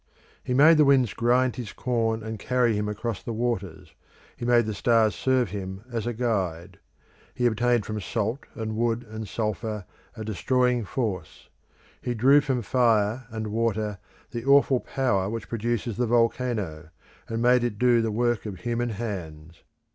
He made the winds grind his corn and carry him across the waters; he made the stars serve him as a guide. He obtained from salt and wood and sulphur a destroying force. He drew from fire, and water, the awful power which produces the volcano, and made it do the work of human hands.